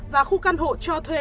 và khu căn hộ cho thuê